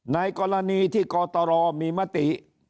ในกรณีที่กตรมีมติ